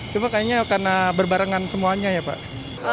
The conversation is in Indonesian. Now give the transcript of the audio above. cuma kayaknya karena berbarengan semuanya ya pak